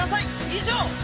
以上。